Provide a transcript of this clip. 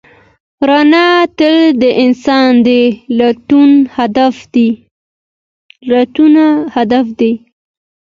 رڼا تل د انسان د لټون هدف دی.